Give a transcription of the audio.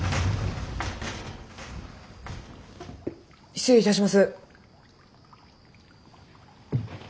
失礼いたします。